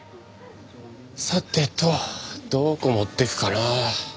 さてとどこ持ってくかな？